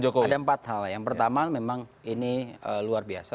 ada empat hal yang pertama memang ini luar biasa